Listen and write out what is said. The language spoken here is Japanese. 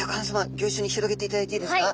ギョいっしょに広げていただいていいですか？